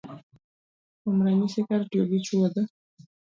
Kuom ranyisi, kar tiyo gi chuodho